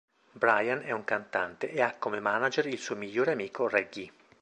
Bryan è un cantante e ha come manager il suo migliore amico Reggie.